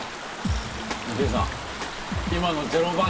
運転手さん。